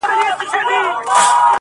د رنځونو ورته مخ صورت پمن سو،